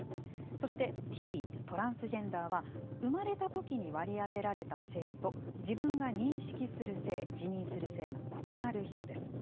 そして「Ｔ」トランスジェンダーは生まれたときに割り当てられた性と自分が認識する自認する性のことです。